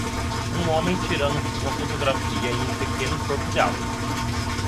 Um homem tirando uma fotografia em um pequeno corpo de água.